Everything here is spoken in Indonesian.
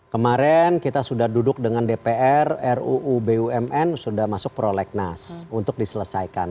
kemarin kita sudah duduk dengan dpr ruu bumn sudah masuk prolegnas untuk diselesaikan